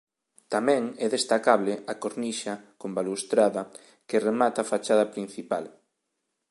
Tamén é destacable a cornixa con balaustrada que remata a fachada principal.